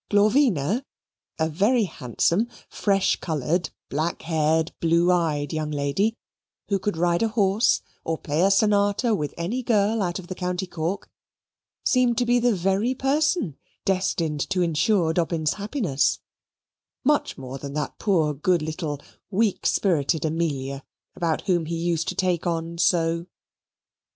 Glorvina, a very handsome, fresh coloured, black haired, blue eyed young lady, who could ride a horse, or play a sonata with any girl out of the County Cork, seemed to be the very person destined to insure Dobbin's happiness much more than that poor good little weak spur'ted Amelia, about whom he used to take on so.